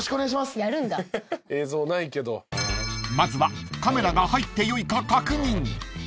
［まずはカメラが入ってよいか確認］